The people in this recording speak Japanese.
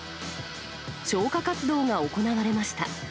消火活動が行われました。